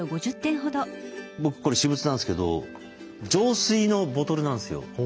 僕これ私物なんですけど浄水のボトルなんですよ。